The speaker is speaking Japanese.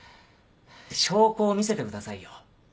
証拠を見せてくださいよ。